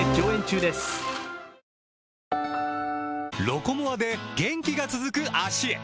「ロコモア」で元気が続く脚へ！